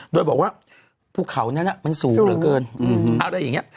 โดยบอกว่าภูเขานั้นมันสูงเหลือเกินอะไรอย่างนี้